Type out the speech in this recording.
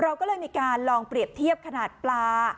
เราก็เลยมีการลองเปรียบเทียบขนาดปลา